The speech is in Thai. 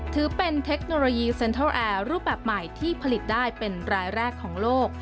ถือเป็นเทคโนโลยีเซ็นทรัลแอร์รูปแบบใหม่ที่ผลิตได้เป็นรายแรกของโลก